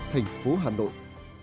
thành phố hà nội